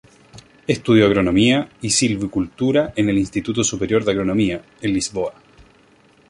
Estudió agronomía y silvicultura en el Instituto Superior de Agronomía, en Lisboa.